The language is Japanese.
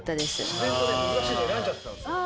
自然とね難しいの選んじゃってたんです。